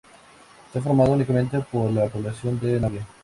Está formado únicamente por la población de Navia.